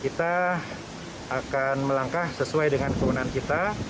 kita akan melayangkan kesempatan dengan kebenaran kita